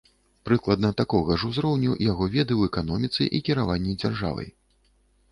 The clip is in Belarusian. Прыкладна такога ж узроўню яго веды ў эканоміцы і кіраванні дзяржавай.